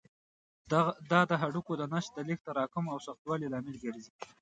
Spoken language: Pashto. دا د هډوکو د نسج د لږ تراکم او سختوالي لامل ګرځي.